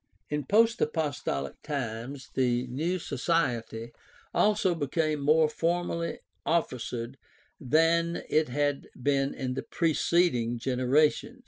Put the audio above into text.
In post apostolic times the new society also became more formally officered than it had been in the preceding genera tion.